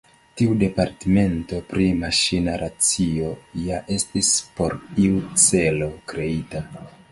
Tiu departemento pri Maŝina Racio ja estis por iu celo kreita.